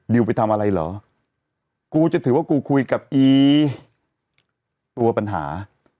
ไปทำอะไรเหรอกูจะถือว่ากูคุยกับอีตัวปัญหา